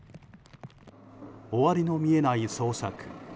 終わりの見えない捜索。